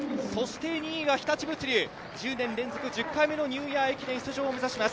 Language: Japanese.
２位が日立物流、１０年連続１０回目のニューイヤーを目指します。